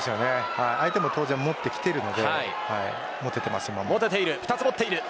相手も当然持ってきているので今は、持てています。